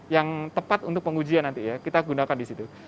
yang tepat untuk pengujian nanti ya kita gunakan di situ